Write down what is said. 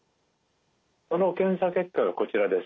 その検査結果がこちらです。